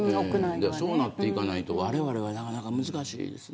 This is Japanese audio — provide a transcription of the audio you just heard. そうなっていかないとわれわれはなかなか難しいですね。